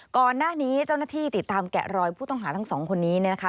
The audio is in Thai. ก่อนหน้านี้เจ้าหน้าที่ติดตามแกะรอยผู้ต้องหาทั้งสองคนนี้เนี่ยนะคะ